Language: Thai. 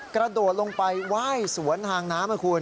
กระโดดลงไปไหว้สวนทางน้ำนะคุณ